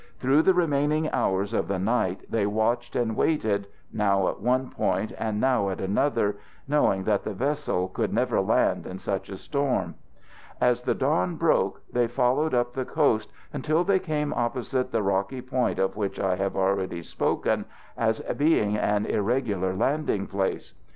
Through the remaining hours of the night they watched and waited, now at one point, and now at another, knowing that the vessel could never land in such a storm. As the dawn broke they followed up the coast until they came opposite that rocky point of which I have already spoken as being an irregular landing place.